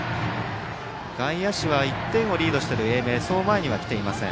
外野手は１点をリードしている英明そう前には来ていません。